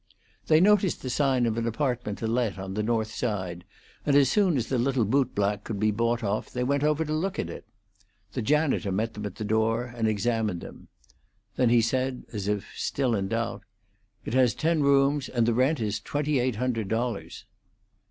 They noticed the sign of an apartment to let on the north side, and as soon as the little bootblack could be bought off they went over to look at it. The janitor met them at the door and examined them. Then he said, as if still in doubt, "It has ten rooms, and the rent is twenty eight hundred dollars."